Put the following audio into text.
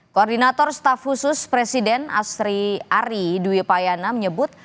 koordinator staf khusus presiden asri ari dwi payana menyebut